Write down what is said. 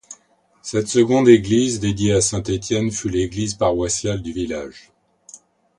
Cette seconde église, dédiée à Saint Etienne, fut l'église paroissiale du village.